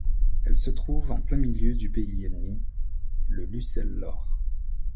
Elle se trouve en plein milieu du pays ennemi, le Lucel-Lor.